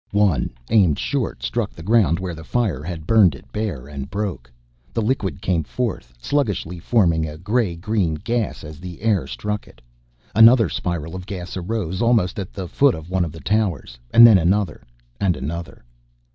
One, aimed short, struck the ground where the fire had burned it bare, and broke. The liquid came forth, sluggishly, forming a gray green gas as the air struck it. Another spiral of gas arose almost at the foot of one of the towers and then another ... and another.